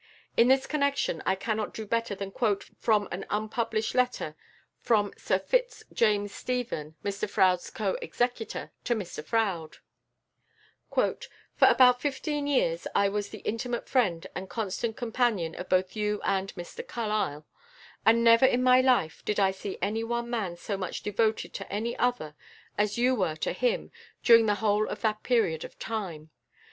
In this connection I cannot do better than quote from an unpublished letter from Sir Fitz James Stephen, Mr Froude's co executor, to Mr Froude: "For about fifteen years I was the intimate friend and constant companion of both you and Mr Carlyle, and never in my life did I see any one man so much devoted to any other as you were to him during the whole of that period of time.